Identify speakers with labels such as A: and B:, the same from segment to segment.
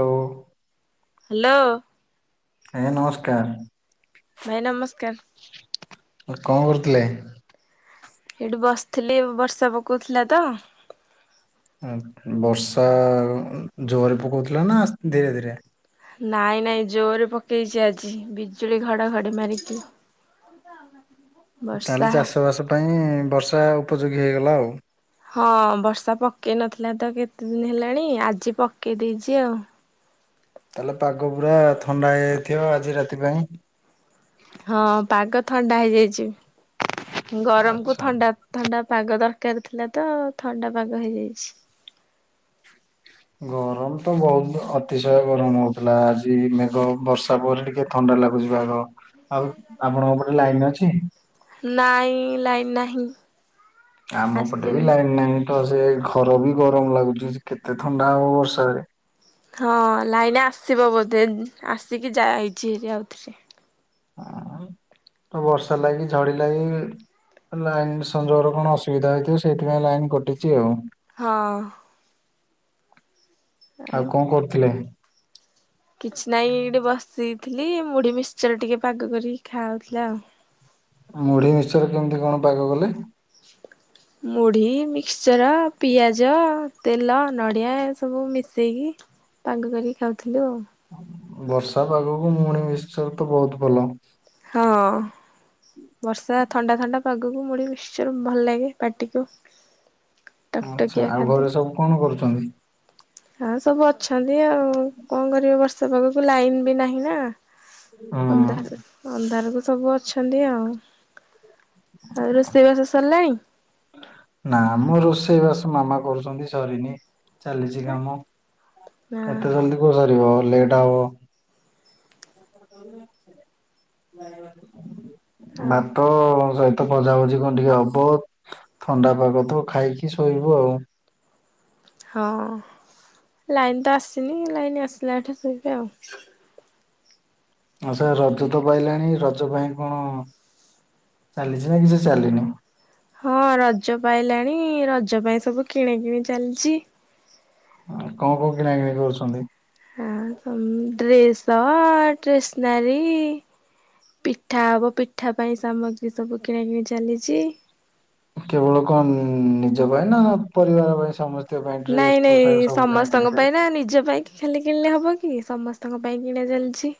A: Hello.
B: Hello.
A: ଆଜ୍ଞା ନମସ୍କାର।
B: ଭାଇ ନମସ୍କାର।
A: କଣ କରୁଥିଲେ?
B: ଏଇଠି ବସିଥିଲି ବର୍ଷା ପକଉଥିଲା ତ।
A: ବର୍ଷା ଜୋର ପକଉଥିଲା ଆସ ନା ଧୀରେ ଧୀରେ
B: ନାଇଁ ନାଇଁ ଜୋରେ ପକେଇଛି ଆଜି ବିଜୁଳି ଘଡ଼ଘଡ଼ି ମାରିକି [unintelligible]
A: ତାହେଲେ ଚାଷବାସ ପାଇଁ ବର୍ଷା ଉପଯୋଗୀ ହେଇଗଲା ଆଉ।
B: ହଁ ବର୍ଷା ପକେଇ ନଥିଲା ତ କେତେଦିନ ହେଲାଣି ଆଜି ପକେଇ ଦେଇଛି ଆଉ।
A: ତାହେଲେ ପାଗ ପୁରା ଥଣ୍ଡା ହେଇଯାଇଥିବ ଆଜି ରାତି ପାଇଁ।
B: ହଁ ପାଗ ଥଣ୍ଡା ହେଇଯାଇଛି ଗରମ କୁ
A: ଆଚ୍ଛା।
B: ଥଣ୍ଡା ଥଣ୍ଡା ପାଗ ଦରକାର ଥିଲା ତ ଥଣ୍ଡା ପାଗ ହେଇଯାଇଛି।
A: ଗରମ ତ ବହୁତ ଅତିଶୟ ଗରମ ହେଉଥିଲା ଆଜି ମେଘ ବର୍ଷା ପଡ଼ିଲ କେ ଥଣ୍ଡା ଲାଗୁଛି ପାଗ। ଆଉ ଆପଣଙ୍କ ପଟେ ଲାଇନ ଅଛି?
B: ନାଇଁ ଲାଇନି ନାହିଁ।
A: ଆମ ପଟେ ବି
B: ଆସିନି
A: ଲାଇନି ନାହିଁ ତ ସେ ଘର ବି ଗରମ ଲାଗୁଛି କେତେ ଥଣ୍ଡା ହବ ବର୍ଷାରେ।
B: ହଁ ଲାଇନି ଆସିବ ବୋଧେ ଆସିକି ଯାଇଛି ହେରି ଆଉଥିରେ।
A: ବର୍ଷା ଲାଗି ଝଡି ଲାଗି ଲାଇନି ସଂଯୋଗରେ କଣ ଅସୁବିଧା ହେଇଥିବ ସେଇଥିପାଇଁ ଲାଇନ କଟିଛି ଆଉ।
B: ହଁ।
A: ଆଉ କଣ କରୁଥିଲେ?
B: କିଛି ନହିଁ ଏଠି ବସିଥିଲି ମୁଢି ମିକ୍ସଶ୍ଚର ଟିକେ ପାଗ କରିକି ଖାଉଥିଲା ଆଉ।
A: ମୁଢ଼ି ମିକ୍ସିଚର କେମିତି କଣ ପାଗ କଲେ?
B: ମୁଢ଼ି ମିକ୍ସଚର୍ ପିଆଜ ତେଲ ନଡ଼ିଆ ଏ ସବୁ ମିଶାଇକି। ପାଗ କରିକି ଖାଉଥିଲୁ ଆଉ।
A: ବର୍ଷା ପାଗକୁ ମୁଢ଼ି ମିକ୍ସିଚର ତ ବହୁତ ଭଲ।
B: ହଁ। ବର୍ଷା ଥଣ୍ଡା ଥଣ୍ଡା ପାଗକୁ ମୁଡି ମିକ୍ସଚର୍ ଭଲ ଲାଗେ ପାଟିକୁ।
A: ଆଚ୍ଛା
B: ଟକଟକିଆ
A: ଆଉ ଘରେ
B: ଖାଦ୍ୟ।
A: ସବୁ କଣ କରୁଛନ୍ତି?
B: ହଁ ସବୁ ଅଛନ୍ତି ଆଉ କଣ କରିବେ ବ ର୍ଷା ପାଗକୁ ଲାଇନ ବି ନାହିଁ ନା
A: ହୁଁ
B: ଅନ୍ଧାର ଦେଖା ଅନ୍ଧାରକୁ ସବୁ ଅଛନ୍ତି ଆଉ ଆଉ ରୋଷେଇବାସ ସାରିଲାଣି?
A: ନା ମ ରୋଷେଇବାସ ମାମା କରୁଛନ୍ତି ସରିନି। ଚାଲିଛି କାମ
B: ନା
A: ଏତେ ଜଲଦି କଉସରିବ ଲେଟ୍ ହବ।
B: ହଁ
A: ଭାତ ସରି ତ ଭଜାଭଜି କଣ ଟିକେ ହବ। ଥଣ୍ଡା ପାଗ ତ ଖାଇକି ଶୋଇବୁ ଆଉ।
B: ହଁ ଲାଇନ୍ ତ ଆସିନି ଲାଇନ ଆସିଲା ଏଠି ଶୋଇବେ ଆଉ।
A: ହଁ ସେଇ ରଜ ତ ପାଇଲାଣି ରଜ ପାଇଁ କଣ ଚାଲିଛି ନା କିଛି ଚାଲିନି?
B: ହଁ ରଜ ପାଇଲାଣି ରଜ ପାଇଁ ସବୁ କିଣା କିିଣି ଚାଲିଚି।
A: ହଁ କଣ କଣ କିଣା କିିଣି କରୁଛନ୍ତି?
B: ଆ ଉମ୍ ଡ୍ରେସ ଟେସନାରୀ। ପିଠା ହବ ପିଠା ପାଇଁ ସାମଗ୍ରୀ ସବୁ କିଣା କିିଣି ଚାଲିଚି।
A: କେବଳ କଣ ନିଜ ପାଇଁ ନା ପରିବାର ପାଇଁ ସମ
B: ନାଇଁ ନାଇଁ ସମସ୍ତଙ୍କ ପାଇଁ ନା
A: ଚାଲିଛି।
B: ନିଜ ପାଇଁ ଖାଲି କିଣିଲେ ହେବ କି ସମସ୍ତଙ୍କ ପାଇଁ କିଣା ଚାଲିଚି।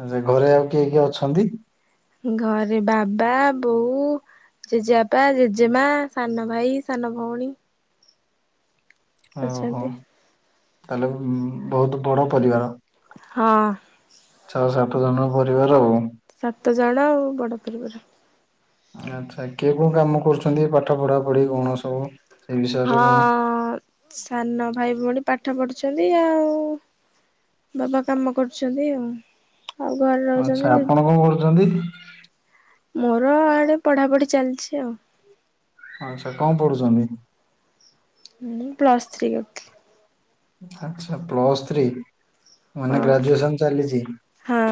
A: ଆ ଯେ ଘରେ ଆଉ କିଏ କିଏ ଅଛନ୍ତି।
B: ଘରେ ବାବା, ବୋଉ ଜେଜେବାପା, ଜେଜେମା, ସାନ ଭାଇ, ସାନ ଭଉଣୀ।
A: ଆହୋ,
B: ଅଛନ୍ତି
A: ତାହଲେ ଉମ ବହୁତ ବଡ ପରିବାର।
B: ହଁ।
A: ଛଅ ସାତ ଜଣଙ୍କ ପରିବାର ଆଉ।
B: ସାତ ଜଣ ଆଉ ବଡ଼ ପରିବାର।
A: ଆଚ୍ଛା, କିଏ କୋଉ କାମ କରୁଛନ୍ତି ପାଠ ପଢା ପଢି କଣ ସବୁ? ସେ ବିଷୟରେ
B: ହଁ
A: କଣ
B: ସାନ ଭାଇ, ଭଉଣୀ ପାଠ ପଢୁଛନ୍ତି ଆଉ। ବାବା କାମ କରୁଚନ୍ତି ଆଉ। ଆଉ ଘରେ
A: ଆଚ୍ଛା
B: ରହୁଛନ୍ତି
A: ଆପଣ
B: ଜେଜ
A: କଣ କରୁଛନ୍ତି?
B: ମୋର ଆଡେ ପଢ଼ାପଢି ଚାଲିଛି ଆଉ।
A: ଆଚ୍ଛା କଣ ପଢୁଛନ୍ତି?
B: ମୁ ପ୍ଲସ୍ ଥ୍ରୀ କରୁଥିଲି।
A: ଆଚ୍ଛା ପ୍ଲସ୍ ଥ୍ରୀ
B: ହଁ
A: ମାନେ ଗ୍ରାଜୁଏସନ ଚାଲିଚି।
B: ହଁ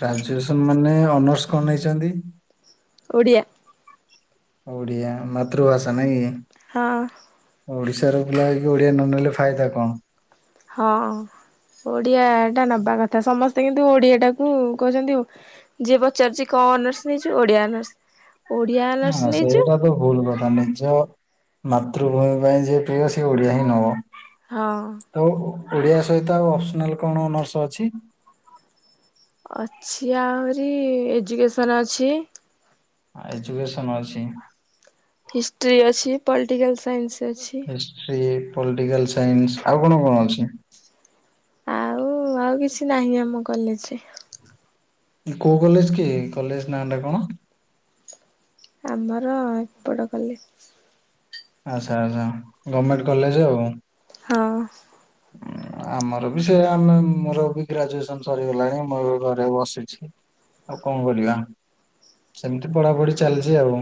A: ଗ୍ରାଜୁଏସନ ମାନେ ଅନର୍ସ କଣ ନେଇଛନ୍ତି?
B: ଓଡ଼ିଆ।
A: ଓଡ଼ିଆ ମାାତୃଭାଷା ନାଇ।
B: ହଁ।
A: ଓଡିଶାର ପିଲା ହେଇକି ଓଡିଆ ନ ନେଲେ ଫାଇଦା କଣ।
B: ହଁ। ଓଡ଼ିଆଟା ନେବା କଥା ସମସ୍ତେ କିନ୍ତୁ ଓଡ଼ିଆଟାକୁ କହୁଛନ୍ତି ଯିଏ ପଚାରୁଚି କଣ ଅନର୍ସ ନେଇଚୁ? ଓଡିଆ ଅନର୍ସ। ଓଡିଆ ଅନର୍ସ
A: ହଁ
B: ନେଇଛୁ
A: ସେଇଟା ବଡ ଭୁଲ କଥା ନିଜ ମାତୃଭୂମି ପାଇଁ ଯିଏ ପ୍ରିୟ ସିଏ ଓଡ଼ିଆ ହିଁ ନବ।
B: ହଁ।
A: ତ ଓଡ଼ିଆ ସହିତ ଆଉ ଅପସନାଲ କଣ ଅନର୍ସ ଅଛି?
B: ଅଛି ଆହୁରି ଏଜୁକେସନ୍ ଅଛି।
A: ହଁ ଏଜୁକେସନ ଅଛି।
B: ହିଷ୍ଟ୍ରି ଅଛି ପଲଟିକାଲ୍ ସାଇନ୍ସ ଅଛି।
A: ହିଷ୍ଟ୍ରି ପଲଟିକାଲ ସାଇନ୍ସ ଆଉ କଣ କଣ ଅଛି?
B: କୁହ ଆଉ କିଛି ନାହିଁ ଆମ କଲେଜରେ?
A: ମାନେ କୋଉ କଲେଜ କି? କଲେଜ ନାଁ ଟା କଣ?
B: ଆମର ଏପଟ କଲେ
A: ଆଚ୍ଛା ଆଚ୍ଛା ଗମେଣ୍ଟ କଲେଜ ଆଉଁ?
B: ହଁ।
A: ଆମର ବି ସେଇଆ ଆମେ ମୋର ବି ଗ୍ରାଜୁଏସନ ସରିଗଲାଣି ମୁଁ ଏବେ ଘରେ ବସିଛି। ଆଉ କଣ କରିବା ସେମତି ପଢ଼ାପଢ଼ି ଚାଲଚି ଆଉ।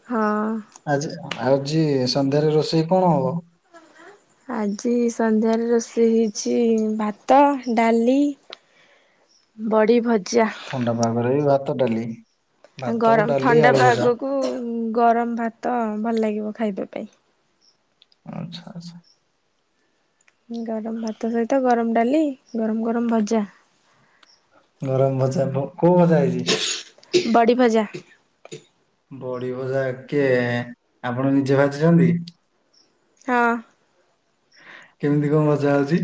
B: ହଁ।
A: ଆଜି ଆଜି ସନ୍ଧ୍ୟାରେ ରୋଷେଇ କଣ ହବ?
B: ଆଜି ସନ୍ଧ୍ୟାରେ ରୋଷେଇ ହେଇଛି ଭାତ, ଡ଼ାଲି ବଡ଼ି ଭଜା।
A: ଥଣ୍ଡା ପାଗରେ ବି ଭାତ, ଡ଼ାଲି?
B: ଆଁ ଗରମ ଥଣ୍ଡା ପାଗକୁ ଗରମ ଭାତ ଭଲ ଲାଗିବ ଖାଇବା ପାଇଁ।
A: ଆଚ୍ଛା ଆଚ୍ଛା।
B: ଗରମ ଭାତ ସହିତ ଗରମ ଡାଲି ଗରମ ଗରମ ଭଜା।
A: ଗରମ ଭଜା ପୋ କୋଉ ଭଜା ହେଇଚି?
B: ବଡ଼ି ଭଜା।
A: ବଡ଼ି ଭଜା କିଏ ଏଁ ଏଁ ଆପଣ ନିଜେ ଭାଜିଚନ୍ତି?
B: ହଁ।
A: କେମିତି କଣ ଭଜା ହଉଚି?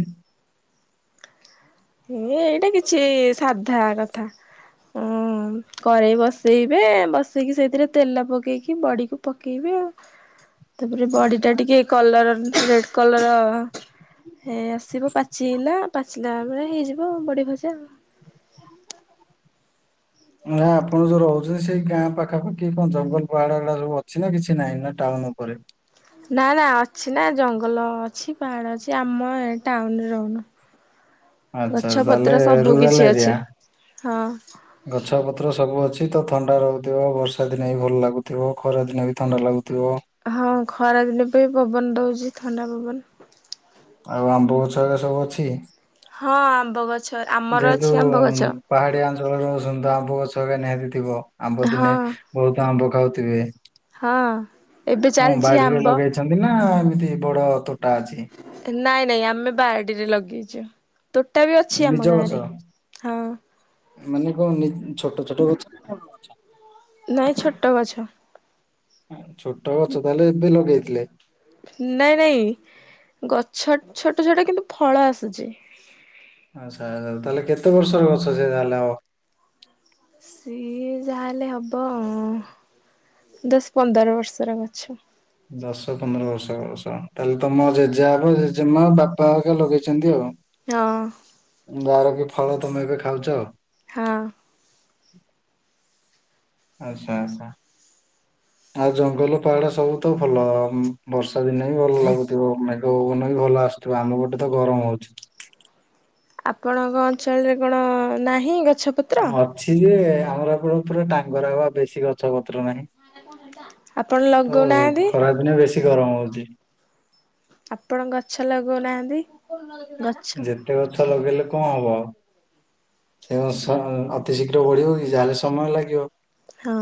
B: ଇଏ ଏଇଟା କିଛି ଇ ଇ ସାଧା କଥା। ହୁଁ କରେଇ ବସେଇବେ ବସେଇକି ସେଇଥିରେ ତେଲ ପକେଇକି ବଡ଼ିକୁ ପକେଇବେ ଆଉ। ତାପରେ ବଡ଼ି ଟା ଟିକେ କଲର ରେଡ଼ କଲର ହେ ଆସିବ ପାଚିଲା ପାଚିଲା ବେଳେ ହେଇଯିବ ବଡ଼ି ଭଜା ଆଉ।
A: ନା ଆପଣ ଯୋଉ ରହୁଚନ୍ତି ସେଇ ଗାଁ ପାଖାପାଖି କଣ ଜଙ୍ଗଲ ପାହାଡ଼ ଏଗୁଡ଼ା ସବୁ ଅଛି ନା କିଛି ନାଇଁ ନା ଟାଉନ ଉପରେ?
B: ନା ନା ଅଛି ନା ଜଙ୍ଗଲ ଅଛି ପାହାଡ଼ ଅଛି ଆମ ଏ ଟାଉନରେ ରହୁନୁ।
A: ଆଚ୍ଛା
B: ଗଛ
A: ତାହେଲେ
B: ପତ୍ର ସବୁ କିଛି ଅଛି ହଁ।
A: ଗଛପତ୍ର ସବୁ ଅଛି ତ ଥଣ୍ଡା ରହୁଥିବ ବର୍ଷା ଦିନେ ବି ଭଲ ଲାଗୁଥିବ ଖରା ଦିନେ ବି ଥଣ୍ଡା ଲାଗୁଥିବ।
B: ହଁ ଖରା ଦିନେ ବି ପବନ ଦଉଚି ଥଣ୍ଡା ପବନ।
A: ଆଉ ଆମ୍ବ ଗଛ ଏରା ସବୁ ଅଛି?
B: ହଁ ଆମ୍ବ ଗଛ ଆମର ଅଛି ଆମ୍ବ ଗଛ।
A: ପାହାଡ଼ିଆ ଅଞ୍ଚଳର ସୁନ୍ଦର ଆମ୍ବ ଗଛ ହେକା ନିହାତି ଥିବ ଆମ୍ବ
B: ହଁ
A: ଦିନେ ବହୁତ ଆମ୍ବ ଖାଉଥିବେ।
B: ହଁ। ଏବେ
A: ହଁ
B: ଚାଲିଛି
A: ବାଡ଼ିରେ
B: ଆମ୍ବ
A: ଲଗେଇଛନ୍ତି ନା ଏମିତି ବଡ଼ ତୋଟା ଅଛି?
B: ନାଇଁ ନାଇଁ ଆମେ ବାଡ଼ିରେ ଲଗେଇଚୁ ତୋଟା ବି ଅଛି
A: ନିଜ
B: ଆମ
A: ଗଛ
B: ଗାଁରେ ହଁ।
A: ମାନେ କଣ ନି ଛୋଟ ଛୋଟ ଗଛ ନା ବଡ଼ ଗଛ?
B: ନାଇଁ ଛୋଟ ଗଛ।
A: ଛୋଟ ଗଛ ତାହେଲେ ଏବେ ଲଗେଇଥିଲେ?
B: ନାଇଁ ନାଇଁ ଗଛ ଛୋଟ ଛୋଟ କିନ୍ତୁ ଫଳ ଆସୁଚି
A: ଆଛା ତାହେଲେ କେତେ ବର୍ଷର ଗଛ ସେ ତାହେଲେ ଆଉ।
B: ସିଏ ଯାହା ହେଲେ ହବ ଦଶ ପନ୍ଦର ବର୍ଷର ଗଛ।
A: ଦଶ ପନ୍ଦର ବର୍ଷର ଗଛ। ତାହେଲେ ତମ ଜେଜେବାପା, ଜେଜେମା, ବାପା ହେରୀକା ଲଗେଇଛନ୍ତି ଆଉ।
B: ହଁ।
A: ଯାହାର କି ଫଳ ତମେ ଏବେ ଖାଉଛ।
B: ହଁ।
A: ଆଛା ଆଛା।
B: ହଁ [inaudible]
A: ଆଉ ଜଙ୍ଗଲ, ପାହାଡ ସବୁ ତ ଭଲ, ବର୍ଷା ଦିନେ ବି ଭଲ ଲାଗୁଥିବ, ମେଘ ପବନ ବି ଭଲ ଆସୁଥିବ। ଆମ ପଟେ ତ ଗରମ ହଉଛି।
B: ଆପଣଙ୍କ ଅଞ୍ଚଳରେ କଣ ନାହିଁ ଗଛ। ପତ୍ର?
A: ହଁ ଅଛି ଯେ, ଆମର ଏପଟେ ପୁରା ଟାଙ୍ଗର ହବା ବେଶୀ ଗଛ ଗଛ ପତ୍ର ନାହିଁ,
B: ଆପଣ
A: ତ
B: ଲଗଉନାହାନ୍ତି
A: ଖରାଦିନ ବେଶୀ ଗରମ ହଉଛି।
B: ଆପଣ ଗଛ ଲଗଉନାହାନ୍ତି ଗଛ।
A: ଗୋଟେ ଗଛ ଲଗେଇଲେ କଣ ହବ? ସେ ସ ଅତି ଶୀଘ୍ର ବଢିବ କି ଯାହେଲେ ସମୟ ଲାଗିବ।
B: ହଁ।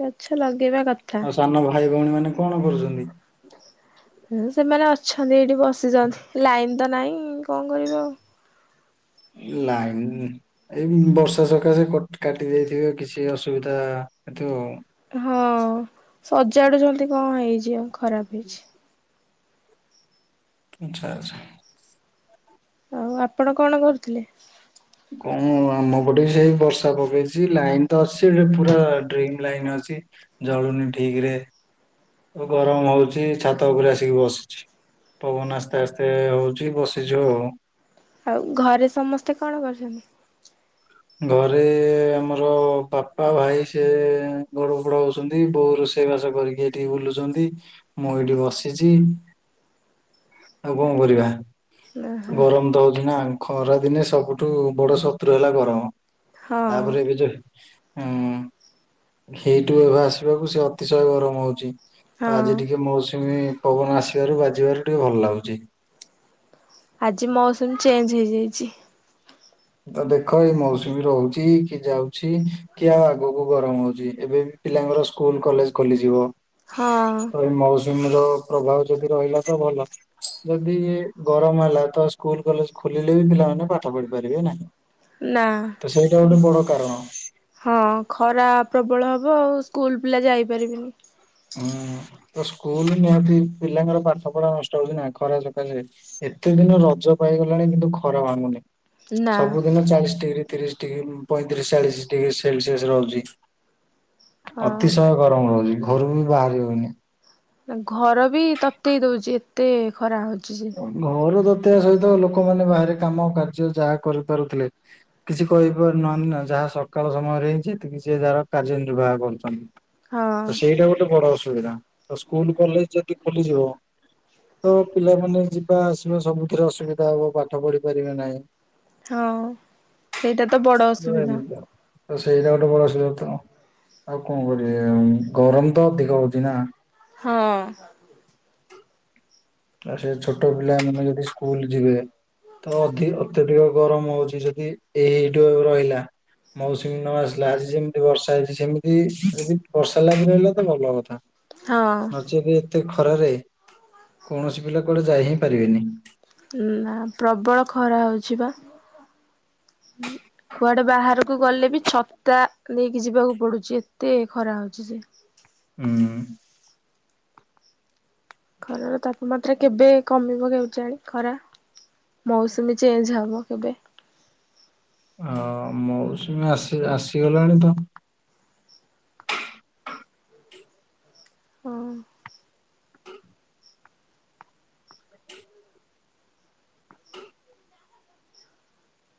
B: ଗଛ ଲଗେଇବା କଥ୍
A: ଆଉ ସାନ ଭାଇ ଭଉଣୀ ମାନେ କଣ କରୁଛନ୍ତି?
B: ସେମାନେ ଅଛନ୍ତି ଏଇଠି ବସିଛନ୍ତି ଲାଇନ୍ ତ ନାହିଁ କଣ କରିବେ ଆଉ।
A: ଲାଇନ୍ ଏଇ ବର୍ଷା ସକାଶେ କଟ୍ କାଟି ଦେଇଥିବ କିଛି ଅସୁବିଧା ହେଉ ଥିବ।
B: ହଁ ସଜାଡୁଚନ୍ତି କଣ ହେଇଛି, ଆଉ ଖରାପ ହେଇଛି।
A: ଆଛା ଆଛା।
B: ଆଉ ଆପଣ କଣ କରୁଥିଲେ?
A: କଣ ଆମ ପଟେ ବି ସେଇ ବର୍ଷା ପକେଇଛି ଲାଇନ୍ ତ ଅଛି, ହେଲେ ପୁରା ଡ୍ରିମ୍ ଲାଇନ୍ ଅଛି। ଜଳୁନି ଠିକ୍ ରେ। ଗରମ ହଉଛି ଛାତ ଉପରେ ଆସିକି ବସିଛି। ପବନ ଆସ୍ତେ ଆସ୍ତେ ହଉଛି ବସିଚୁ ଆଉ
B: ଆଉ ଘରେ ସମସ୍ତେ କଣ କରୁଛନ୍ତି?
A: ଘରେ ଆମର ବାପା ଭାଇ ସେ ଗଡ ପଡ ହଉଛନ୍ତି ବୋଉ ରୋଷେଇବାସ କରିକି ଏଠିକି ବୁଲୁଛନ୍ତି, ମୁଁ ଏଇଠି ବସିଛି, ଆଉ କଣ କରିବା।
B: ଓହୋ
A: ଗରମ ତ ହଉଛି ନା, ଖରା ଦିନେ ସବୁଠୁ ବଡ ଶତ୍ରୁ ହେଲା ଗରମ।
B: ହଁ
A: ତାପରେ ଏବେ ଯୋଉ ହୁଁ, ହେଇଠୁ ଏବେ ଆସିବାକୁ ସେ ଅତିଶୟ ଗରମ ହଉଛି। ଆଜି
B: ହଁ।
A: ଟିକେ ମୌସୁମୀ ପବନ ଆସିବାରୁ ବାଜିବାରୁ ଟିକେ ଭଲ ଲାଗୁଚି।
B: ଆଜି ମୌସୁମୀ ଚେଞ୍ଜ ହେଇଯାଇଛି।
A: ଦେଖ ଏଇ ମୌସୁମୀ ରହୁଛି, କି ଯାଉଛି, କି ଆଉ ଆଗକୁ ଗରମ ହଉଛି, ଏବେ ବି ପିଲାଙ୍କର ସ୍କୁଲ କଲେଜ ଖୋଲିଯିବ,
B: ହଁ
A: ତ ଏ ମୌସୁମୀର ପ୍ରଭାବ ଯଦି ରହିଲା ତ ଭଲ। ଯଦି ଗରମ ହେଲା ତ ସ୍କୁଲ କଲେଜ ଖୋଲିଲେ ବି ପିଲାମାନେ ପାଠ ପଢି ପାରିବେ ନାହିଁ।
B: ନା
A: ତ ସେଇଟା
B: ହିଁ।
A: ଗୋଟେ ବଡ କାରଣ।
B: ହଁ ଖରା ପ୍ରବଳ ହେବ ଆଉ ସ୍କୁଲ ପିଲା ଯାଇପାରିବେନି।
A: ହୁଁ, ତ ସ୍କୁଲ ନିହାତି ପିଲାଙ୍କର ପାଠ ପଢା ନଷ୍ଟ ହଉଛିି ନା ଖରା ସକାଶେ। ଏତେ ଦିନ ରଜ ପାଇଗଲାଣି କିନ୍ତୁ ଖରା ଭାଙ୍ଗୁନି
B: ନା।
A: ସବୁଦିନ ଚାଳିଶ ଡିଗ୍ରୀ। ତିରିଶ ଡିଗ୍ରୀ ପଇଁତିରିଶ ଚାଳିଶ ଡିଗ୍ରୀ ସେଲସିୟସ ରହୁଛି
B: ହଁ
A: ଅତିଶୟ ଗରମ ରହୁଛି ଘରୁ ବି ବାହାରି ହଉନି।
B: ଘର ବି ତତେଇ ଦଉଛି ଏତେ ଖରା ହଉଛି ଯେ
A: ଘର ତତେଇବା ସହିତ ଲୋକମାନେ ବାହାରେ କାମ କାର୍ଯ୍ୟ ଯାହା କରିପାରୁଥିଲେ। କିଛି କହିପାରୁନାହାନ୍ତି ନା ଯାହା ସକାଳ ସମୟରେ ହେଇଛି ଯିଏ ଯାହାର କାର୍ଯ୍ୟ ନିର୍ବାହ କରୁଛନ୍ତି।
B: ହଁ
A: ତ ସେଇଟା ଗୋଟ୍ ଏ ବଡ ଅସୁବିଧା ତ ସ୍କୁଲ କଲେଜ ଯଦି ଖୋଲିଯିବ ତ ପିଲା ମାନେ ଯିବା ଆସିବା ସବୁଥିରେ ଅସୁବିଧା ହବ ପାଠ ପଢି ପାରିବେ ନାହିଁ।
B: ହଁ ସେଇଟା ତ ବଡ ଅସୁବିଧା।
A: ଏମିତି ଆଉ। ତ ସେଇଟା ଗୋଟେ ବଡ଼ ଅସୁବିଧା ତ ଆଉ କଣ କରିବେ ଗରମ ତ ଅଧିକ ହଉଛି ନା,
B: ହଁ।
A: ଆଉ ସେ ଛୋଟ ପିଲାମାନୋନେ ଯଦି ସ୍କୁଲ ଯିବେ ତ ଅଧି ଅତ୍ୟଧିକ ଗରମ ହଉଛି ଯଦି ଏଇଠୁ ରହିଲା। ମୌସୁମୀ ନ ଆସିଲା ଆଜି ଯେମିତି ବର୍ଷା ହେଇଛି ସେମିତି ଯଦି ବର୍ଷା ଲାଗି ରହିଲା ତ ଭଲ କଥା
B: ହଁ।
A: ନଚେତେ ଏତେ ଖରାରେ କୌଣସି ପିଲା କୁଆଡେ ଯାଇ ହିଁ ପାରିବେନି।
B: ନା ପ୍ରବଳ ଖରା ହଉଛି ବା କୁଆଡେ ବାହାରକୁ ଗଲେ ବି ଛତା ନେଇକି ଯିବାକୁ ପଡୁଛି ଏତେ ଖରା ହଉଛି ଯେ
A: ହୁଁ।
B: ଖରାର ତାପମାତ୍ରା କେବେ କମିବ କେଜାଣି ଖରା। ମୌସୁମୀ ଚେଞ୍ ହବ କେବେ।
A: ହଁ ମେଉସିମି ଆସି ଆସିଗଲାଣି ତ
B: ହଁ।